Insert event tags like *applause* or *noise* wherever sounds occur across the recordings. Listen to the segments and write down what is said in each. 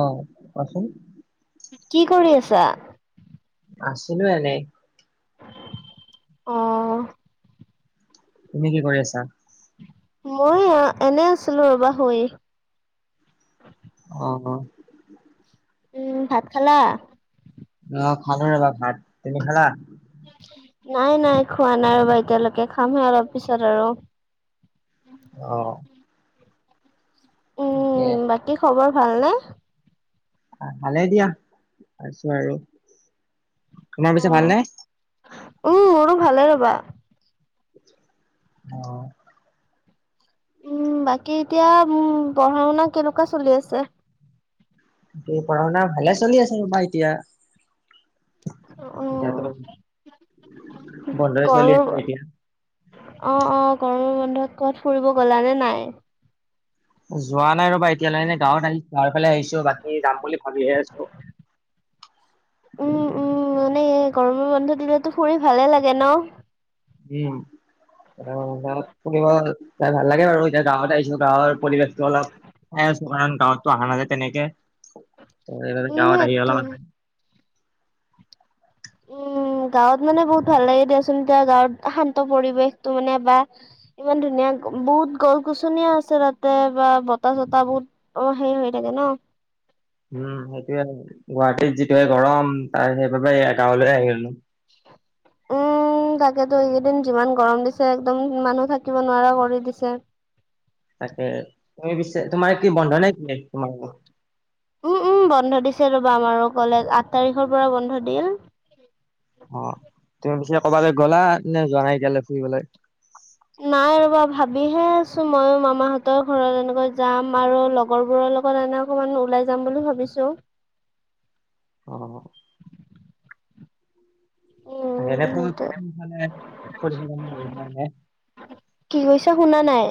*unintelligible* অ, কোৱাচোন? কি কৰি আছা? আছিলো এনেই। অ', তুমি কি কৰি আছা? মই এনে আছিলো ৰবা শুই। অঁ অঁ উম, ভাত খালা? অঁ খালো ৰবা ভাত, তুমি খালা? *unintelligible* নাই নাই খোৱা নাই ৰব এতিয়ালৈকে খামহে অলপ পিছত আৰু। অঁ তাকে, উম, বাকী খবৰ ভাল নে? আহ ভালে দিয়া, আছো আৰু, তোমাৰ পিছে ভাল অ', নে? উম আৰু ভালে ৰ'বা। অঁ উম বাকী এতিয়া উম পঢ়া শুনা কেনেকুৱা চলি আছে? এ পঢ়া শুনা ভালে চলি আছে ৰ'বা এতিয়া। এতিয়াটো, অ', বন্ধয়ে চলি আছে এতিয়া। অঁ অঁ গৰমৰ বন্ধত ক'ত ফুৰিব গলা নে নাই? যোৱা নাই ৰ'বা এতিয়ালে এনে গাঁৱত আহি গাঁৱৰ ফালে আহিছো বাকী যাম বুলি ভাবিহে আছো। উম উম মানে গৰমৰ বন্ধ দিলেতো ফুৰি ভালে লাগে ন? উম ফুৰিব যায় ভাল লাগে বাৰু, এতিয়া গাঁৱত আহিছো গাঁৱৰ পৰিৱেশটো অলপ- চাই আছো কাৰণ গাঁৱতো অহা নাযায় তেনেকে, ত' উম, গাঁৱত আহি সেইটো অলমান- উম গাঁৱত মানে বহুত ভাল লাগে দিয়াচোন, এতিয়া গাঁৱত শান্ত পৰিৱেশটো মানে বা- ইমান ধুনীয়া বহুত গছ গছনিও আছে তাতে, বা বতাহ চতাহ বহুত- অঁ সেই হয় থাকে ন। উম সেইটোৱে গুৱাহাটীত যিটো হে গৰম তা সেইবাবে গাঁৱলৈ আহি দিলো। উম তাকেতো এইকেইদিন যিমান গৰম দিছে একদম মানুহ থাকিব নোৱাৰা কৰি দিছে। তাকে তুমি পিছে তোমাৰ কি বন্ধ নে কি তোমাৰও। উম উম বন্ধ দিছে ৰ'বা আমাৰো কলেজ, আঠ তাৰিখৰ পৰা বন্ধ দিলে। অঁ তুমি পিছে ক'বালৈ গ'লা নে যোৱা নাই এতিয়ালে ফুৰিবলৈ? নাই ৰবা ভাবিহে আছো ময়ো মামাহঁতৰ ঘৰত এনেকৈ যাম আৰু লগৰ বোৰৰ লগত- ণে অকমান ওলাই যাম বুলি ভাবিছো। অ অ তাকে উম এতিয়া কোন সেইটোৱে কোন ফালে ফুৰিব যাম বুলি ভাবিছা এনেই। কি কৈছা শুনা নাই!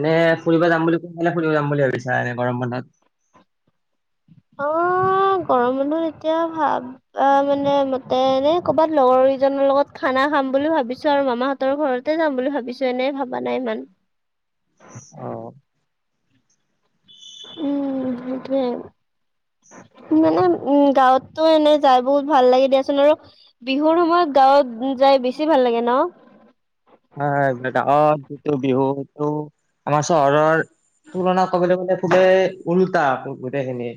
এনে ফুৰিব যাম বুলি কৈ কোন ফালে ফুৰিব যাম বুলি ভাবিছা এনে গৰম বন্ধত। অঁ গৰম বন্ধ এতিয়া ভাব- অঁ মানে মতে ন কৰ'বাত লগৰ কেইজনৰ লগত খানা খাম বুলি ভাবিছো আৰু মামাহত- তৰ ঘৰতে যাম বুলি ভাবিছো এনেই ভাবা নাই ইমান। অ উম, সেইটোৱে। মানে উম গাঁৱততো এনেই যাই বহুত ভাল লাগে দিয়াচোন, আৰু- বিহুৰ সময়ত গাঁৱত যাই বেছি ভাল লাগে ন। হয় গাঁৱত যিটো বিহু এইটো আমাৰ চহৰৰ- তুলনা কৰিবলে গলে ওলোটা গোটেইখিনি-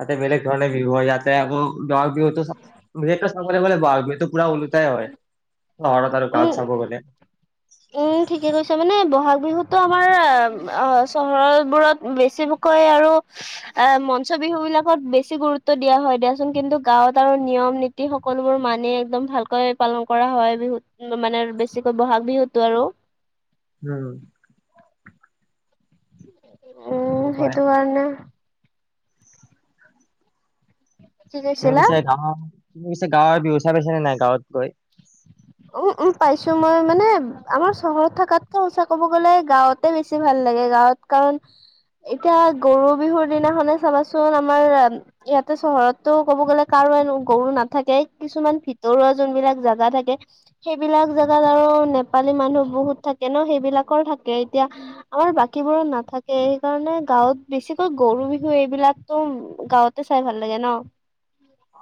তাতে বেলেগ ধৰণে বিহু হয়, ইয়াতে আকৌ- গাওঁৰ বিহুটো বিহুটো পুৰা ওলোটাই হয়। চহৰত আৰু উম, গাওঁত চাব গলে। উম ঠিকে কৈছা, মানে বহাগ বিহুত- তো আমাৰ চহৰ বোৰত বেছিকৈ আৰু- এ মঞ্চ বিহু বিলাকত বেছি গুৰুত্ব দিয়া হয় দিয়াচোন, কিন্তু গাঁৱত আৰু নিয়ম নি - সকলোবোৰ মানি একদম ভালকৈ পালন কৰা হয় বিহুত, মানে বেছিকে ব'হাগ বিহুত। টো আৰু। উম, উম, সেনেকুৱাই সেইটো কাৰণে। কি তুমি কৈছিলা পিছে গাওঁ, তুমি পিছে গাঁৱৰ বিহু চাই পাইছনেে নাই গাঁৱত গৈ? উম উম, পাইছো মই মানে, আমাৰ চহৰত থকাতকে সঁচা ক'ব গ'লে গাঁৱতে বেছি ভাল লাগে গাঁৱত কাৰণ, এতিয়া গৰু বিহুৰ দিনাখনে চাবাচোন আমাৰ ইয়াতে চহৰততো ক'ব গ'লে কাৰো গৰু নাথাকেই, কিছুমান ভিতৰুৱা যোনবিলাক জাগা থাকে। সেইবিলাক জেগাত আৰু, নেপালী মানুহ বহুত থাকে ন' সেইবিলাকৰ থাকে, এতিয়া আমাৰ বাকীবোৰত নাথাকে সেইকাৰণে গাঁৱত বেছিকৈ গৰু বিহু এইবিলাকতো, গাঁৱত টো চাই ভাল লাগে ন'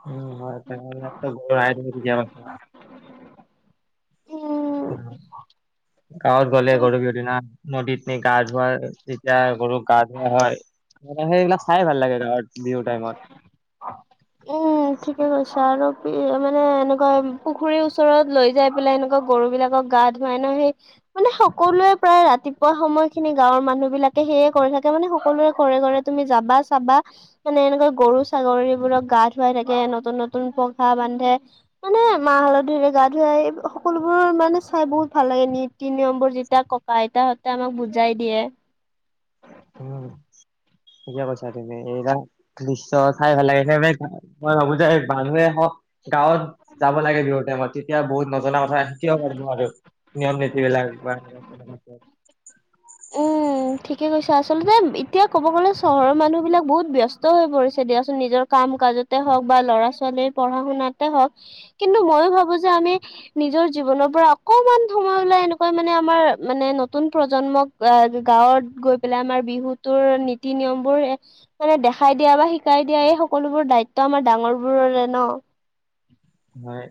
উম হয় তেনেহলে ত' *unintelligible* উম, *unintelligible* গাঁৱত গ'লে ত' গৰু বিহুুৰ দিনা, নদীত নি গা ধুৱাই। তেতিয়া গৰুক গা ধোৱা হয়, সেইবিলাক চাই ভাল লাগে গাওঁত বিহুৰ টাইমত। উম, ঠিকে কৈছা আৰু, মানে এনেকুৱা পুখুৰীৰ ওচৰত লৈ যাই পেলাই এনেকুৱা গৰু বিলাকক গাত মানুহে মানে সকলোৱে প্ৰায় ৰাতিপুৱা সময় খিনি গাঁৱৰ মানুহ বিলাকে সেয়ে কৰি থাকে মানে সকলোৱে ঘৰে ঘৰে তুমি যাবা চাবা, মানে এনেকৈ গৰু ছাগলীবোৰক গা ধুৱাই থাকে নতুন নতুন পঘা বান্ধে। মানে মাহ হালধিৰে গা ধুৱাই এই সকলোবোৰৰ মানে চাই বহুত ভাল লাগে নীতি নিয়মবোৰ যেতিয়া আইতাহতে আমাক বুজাই দিয়ে। উম, ধুনীয়া কৈছা তুমি *unintelligible* দৃশ্য চাই ভাল লাগে সেইকাৰণে, মই ভাবো যে মানুহে হওক গাঁৱত, যাব লাগে বিহু টাইমত। এতিয়া বহুত নজনা কথা শিকিব পাৰিব আৰু, নিয়ম নীতি বিলাক বা *unintelligible* উম, ঠিকে কৈছে আচলতে এতিয়া ক'ব গ'লে চহৰৰ মানুহবিলাক বহুত ব্যস্ত হৈ পৰিছে দিয়াচোন নিজৰ কাম কাজত। হওক বা ল'ৰা ছোৱালীৰ পঢ়াশুনাতে হওক, কিন্তু মইয়ো ভাবো যে আমি নিজৰ জীৱনৰ পৰা অকমান সময় উলাই এনেকুৱা মানে আমাৰ মানে নতুন প্ৰজন্মক আহ গাঁৱত গৈ পেলাই আমাৰ বিহুটো নীতি নিয়মবোৰ মানে দেখাই দিয়া বা শিকাই দিয়া এই সকলোবোৰ দায়িত্ব আমাৰ ডাঙৰ বোৰৰে ন'। হয়,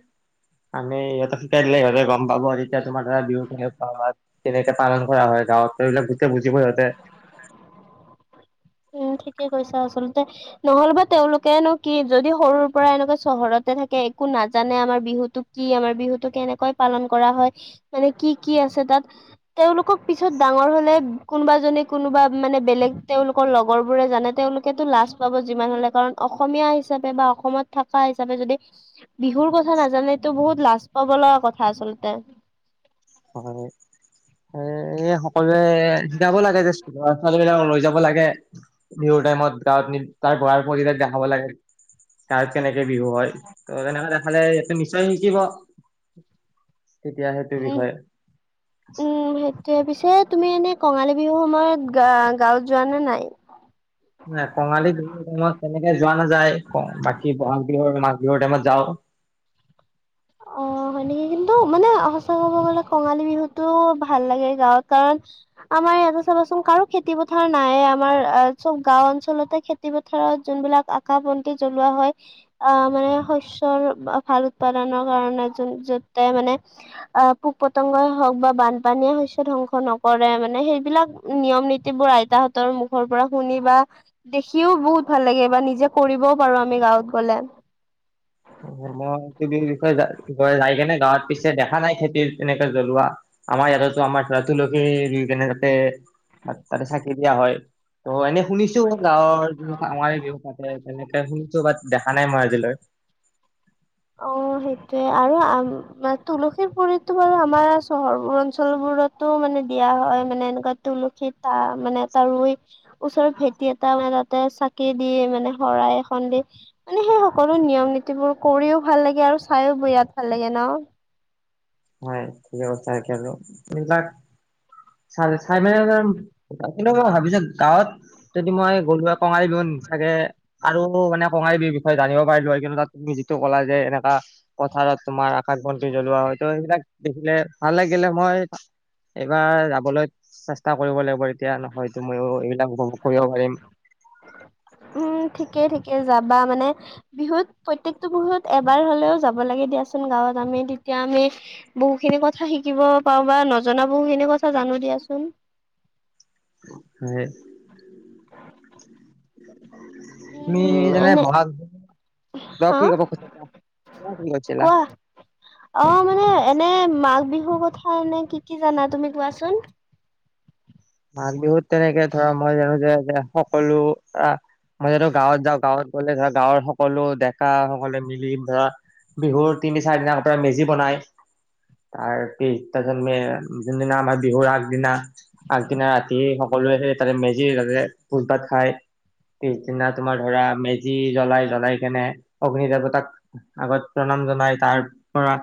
আমি ইহঁতে শিকাই দিলে সিহঁতে গম পাব এতিয়া তোমাৰ ধৰা বিহু *unintelligible* অ', তেনেকে পালন কৰা হয় গাঁৱত এইবিলাক গোটে বুজিব সিহঁতে। উম, ঠিকে কৈছা আচলতে নহ'লেবা তেওঁলোকেউনো কি, যদি সৰুৰ পৰা এনেকুৱা চহৰতে থাকে একো নাজানে আমাৰ বিহুতোক কি আমাৰ বিহুতটো কেনেকৈ পালন কৰা হয়, মানে কি কি আছে তাত। তেওঁলোকক পিছত ডাঙৰ হলে, কোনোবা জনে কোনোবা মানে বেলেগ তেওঁলোক *unintelligible* লগৰবোৰে জানে তেওঁলোকেতো লাজ পাব যিমান হলে কাৰণ অসমীয়া হিচাপে বা অসমত থকা হিচাপে যদি, বিহুৰ কথা নাজানোটো বহুত লাজ পাব লগা কথা আচলতে। হয়, এ সকলোৱে শিকাব লাগে যে, ল'ৰা ছোৱালী বিলাক লৈ যাব লাগে। বিহু টাইমত গাঁৱত নি তাৰ গাৱঁৰ পৰিবেশ দেখাব লাগে। গাৱঁত কেনেকে বিহু হয়, ত' তেনেকে দেখালে সিহঁতি নিশ্চয় শিকিব। তেতিয়া সেইটো বিষয়ে তে পিছে তুমি এনে কঙালী বিহৰু সময়ত গা-গাঁৱত যোৱা নে নাই? নাই কঙালী বিহুৰ টাইমত তেনেকে যোৱা নাযায়, বাকী বহাগ বিহুৰ, মাঘ বিহুৰ টাইমত যাওঁ। অ', হয় নেকি কিন্তু মানে সঁচা ক'ব গলে কঙালী বিহুটো ভাল লাগে গাঁৱত কাৰণ আমাৰ ইয়াতে চাবাচোন কাৰো খেতি পথাৰ নাইয়ে আমাৰ চব গাওঁ অঞ্চলতে খেত খেতি পথাৰত যোনবিলাক আকাশ বন্তি জ্বলোৱা হয়। আহ মানে শস্যৰ ভাল উৎপাদনৰ কাৰণে য যতে মানে, আহ পোক পতংগই হওক বা বানপানীয়ে শস্য ধ্বংস নকৰে মানে সেইবিলাক, নিয়ম নীতিবোৰ আইতাহঁতৰ মুখৰ পৰা শুনি বা, দেখিও বহুত ভাল লাগে বা নিজে কৰিবও পাৰো আমি গাঁৱত গ'লে। মই এইটো বিষয়ে যাই কেনে গাঁৱত পিছে দেখা নাই খেতিৰ এনেকে জ্বলোৱা। আমাৰ ইয়াতেতো আমাৰ তুলসী ৰুই কেনে তাতে, বাত তাতে চাকি দিয়া হয় ত' এনে, শুনিছো গাঁৱৰ যি আমাৰ বিহু পাতে তেনেকে শুনিছো বাত দেখা নাই মই আজিলৈ। অ সেইটোয়ে আৰু আম তুলসীৰ পুলিতো বাৰু আমাৰ চহৰোৰ অঞ্চল বোৰত, তটো মানে দিয়া হয় মানে এনেকুৱা তুলসী তা মানে এটা ৰুই, ওচৰৰ ভেটি এটা বনাই তাতে চাকি দি মানে শৰাই এখন দি। মানে সেই সকলো নিয়ম নীতিবোৰ কৰিও ভাল লাগে আৰু চাইও বিৰাত ভাল লাগে ন। হয় ঠিকে কৈছা আৰু সেই বিলাক, চাৰে ছাই মেনে *unintelligible* তাত কিন্তু মই ভাবিছো গাঁৱত যদি মই গৰুৱা কঙালী বিহু নথাগে আৰু মানে, কঙালী বিহুৰ বিষয়ে জানিব পাৰিলো হয় কিন্তু তুমি যিটো কলা যে এনেকা পথাৰত তোমাৰ আকাশ বন্তি জ্বলোৱা হয় ত সেইবিলাক দেখিলে ভাল লাগিলে মই, এইবাৰ যাবলৈ চেষ্টা কৰিব লাগিব এতিয়া নহয়তো ময়ো এইবিলাক উপভোগ কৰিব পাৰিম। উম ঠিকেই ঠিকে যাবা মানে, বিহুত প্ৰত্যয়েকটো বিহুত এবাৰ হ'লেও যাব লাগে দিয়াচোন গাঁৱত আমি তেতিয়া আমি। বহু খিনি কথা শিকিব পাওঁ বা নজনা বহুখিনি কথা জানো দিয়াচোন। হয়। তুমি উম যেনে এনে বহাগ, কাক হা কি ক'ব কৈছিলা। মোক কি কৈছিলা। অঁ, মানে এনে মাঘ বিহুৰ কথা এনে কি কি জানা তুমি কোৱাচোন? মাঘ বিহুত তেনেকে ধৰা মই জানোঁ যে এতিয়া সকলো আঁ মই যেতিয়া গাঁৱত যাওঁ গাঁৱত ঘৰলে ধৰা গাঁৱৰ সকলো ডেকা সকলে মিলি ধৰা বিহুৰ তিনি চাৰি দিন আগতে মেজি বনায়। তাৰ পিছদিনা যোনদিনা আমাৰ বিহুৰ আগদিনা। আগদিনা ৰাতি সকলোৱে সেই তাতে মেজি তাতে ভোজ ভাত খায়। পিছদিনা তোমাৰ ধৰা মেজি জ্বলাই জ্বলাই কেনে অগ্নি দেৱতাক। আগত প্ৰণাম জনাই তাৰ পৰা।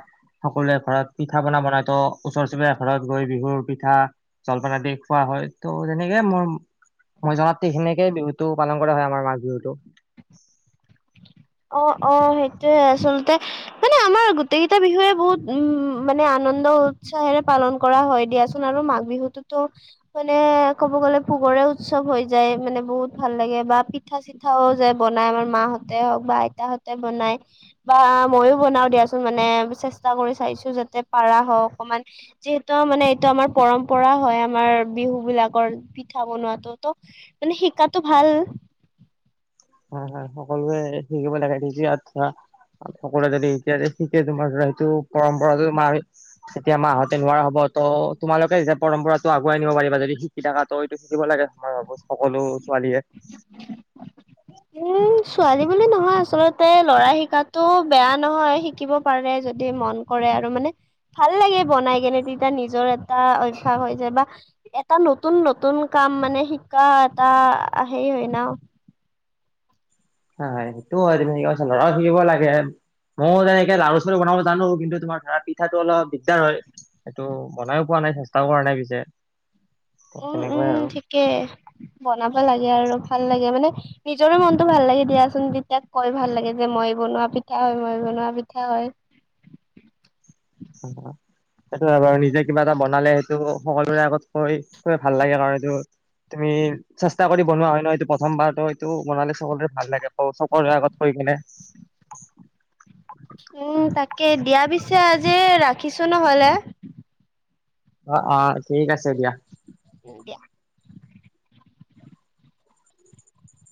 সকলোৱে ঘৰত পিঠা পনা বনাই ত ওচৰ চুবুৰীয়া ঘৰত গৈ বিহুৰ পিঠা জলপান আদি। খোৱা হয় ত' যেনেকে মোৰ মই জনাততে বিহুতটো পালন কৰা হয় আমাৰ মাঘ বিহুতটো। অ অ সেইটোয়ে আচলতে, মানে আমাৰ গোটেইকেইটা বিহুৱে বহুত উম, মানে আনন্দ উৎসাহেৰে পালন কৰা হ'য় দিয়াচোন আৰু মাঘ বিহুতোটো মানে ক'ব গ'লে ভোগৰে উৎসৱ হৈ যায়। মানে বহুত ভাল লাগে বা পিঠা-চিঠা ঠাও যে বনাই আমাৰ মা হঁতে হওক বা আইতাহঁতে বনাই বা মইও বনাও দিয়াচোন। মানে চেষ্টা কৰি চাইছোঁ যাতে পাৰা হও অকমান, যিহেতু মানে এইটো আমাৰ পৰম্পৰা হয়। আমাৰ বিহু বিলাকৰ পিঠা বনোৱাতোটো। মানে শিকাটো ভাল। হয় হয় সকলোৱে শিকিব লাগে নিজে আচ্ছা, সকলোৱে যদি এতিয়া শিকে তোমাৰ ধৰা সেইটো পৰম্পৰাটো মাৰে তেতিয়া মা হঁতে নোৱাৰা হ'ব ত, তোমালোকে যে পৰম্পৰাটো আগুৱাই নিব পাৰিবা যদি শিক কি থাকা ত' এইটো শিকিব লাগে মই ভাৱোঁ সকলো ছোৱালীয়ে। *unintelligible* ও ছোৱালী বুলি নহয় আচলত তে ল'ৰাই শিকাটো বেয়া নহয়। শিকিব পাৰে যদি মন কৰে আৰু মানে ভাল লাগে বনাই কেনে তেতিয়া নিজৰ এটা অভ্যাস হৈছে বা এটা নতুন-নতুন কাম মানে শিকা এটা হেৰি হ'য় ন'। হ'য়, হেতো হয় তোমি ঠিকে কৈছা, *unintelligible* অ' শিকিব লাগে। মও তেনেকে লাৰু- চাৰু বনাব জানোঁ, কিন্তু তোমাৰ ধৰা পিঠাটো অলপ দিগ্‌দাৰ হ'য়। সেইটো বনাইও পোৱা নাই, চেষ্টাও কৰা নাই পিছে। তেনেকুৱাই উম-উম আৰু ঠিকে, বনাব লাগে আৰু ভাল লাগে মানে নিজৰো মনটো ভাল লাগে দিয়াচোন, তেতিয়া কৈ ভাল লাগে যে মই বনোৱা পিঠা হ'য়, মই বনোৱা পিঠা হ'য়। *inaudible* সেইটো হয় বাৰু, নিজে কিবা এটা বনালে সেইটো স' সকলোৰে আগত কৈ, কৈ ভাল লাগে কাৰণ এইটো তুমি চেষ্টা কৰি বনোৱা হ'য় ন', এইটো প্ৰথমবাৰটো এইটো বনালে সকলোৰে ভাল লাগে ক', সকলোৰে আগত কৈ কিনে। উম তাকে, দিয়া পিছে আজি ৰাখিছোঁ ন'হলে। অ'-অ' ঠিক আছে দিয়া। *unintelligible* দিয়া।